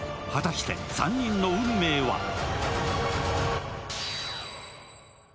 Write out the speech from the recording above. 果たして３人の運命は？